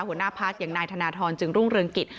หัวหน้าพักอย่างนายธนทรจึงรุ่งเรืองกิจ